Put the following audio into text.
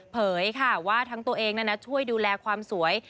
ค่ะว่าทั้งตัวเองนั้นช่วยดูแลความสวย